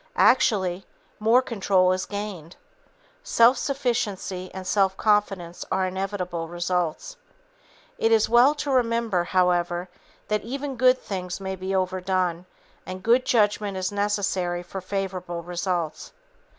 Actually, more control is gained. Self sufficiency and self confidence are inevitable results. It is well to remember, however, that even good things may be overdone, and good judgment is necessary for favorable results.